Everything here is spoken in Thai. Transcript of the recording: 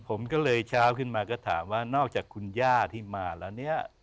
ผมก็เลยเช้าขึ้นมาก็ถามว่านอกจากคุณย่าที่มาแล้วเนี่ย